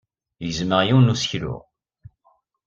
Gezmeɣ yiwen n useklu.